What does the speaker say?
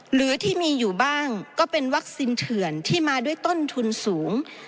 หรือที่มีอยู่บ้างก็เป็นวัคซีนเถื่อนที่มาด้วยต้นทุนสูง